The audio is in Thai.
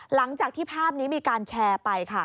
หลังจากที่ภาพนี้มีการแชร์ไปค่ะ